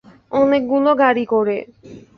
অনেকগুলো গাড়ি করে।